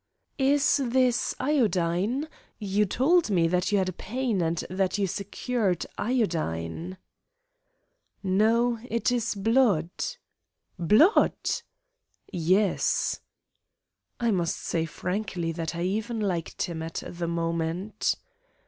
"Is this iodine? You told me that you had a pain and that you secured iodine." "No. It is blood." "Blood?" "Yes." I must say frankly that I even liked him at that moment.